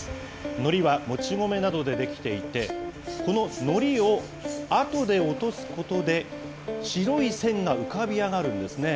のりはもち米などで出来ていて、こののりをあとで落とすことで、白い線が浮かび上がるんですね。